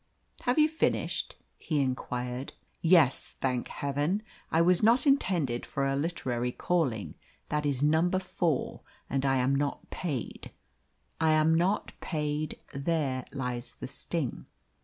"Have you finished?" he inquired. "Yes, thank Heaven! I was not intended for a literary calling. That is number four, and I am not paid I am not paid; there lies the sting."